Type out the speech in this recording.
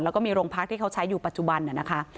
แล้วก็มีโรงพักที่เขาใช้อยู่ปัจจุบันนะคะ